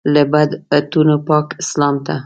له بدعتونو پاک اسلام ته.